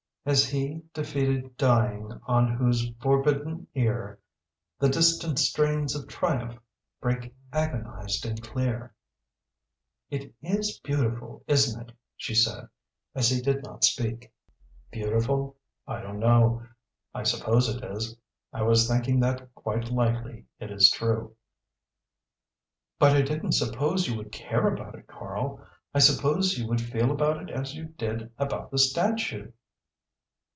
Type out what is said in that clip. "As he, defeated, dying, On whose forbidden ear The distant strains of triumph Break agonized and clear." "It is beautiful, isn't it?" she said, as he did not speak. "Beautiful? I don't know. I suppose it is. I was thinking that quite likely it is true." "But I didn't suppose you would care about it, Karl. I supposed you would feel about it as you did about the statue."